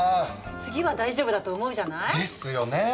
次は大丈夫だと思うじゃない？ですよね。